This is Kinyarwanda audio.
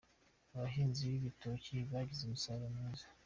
Abahinzi b'ibitoki bagize umusaruro mwiza.